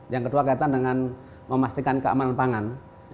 yang kedua kaitan dengan memastikan keamanan pangan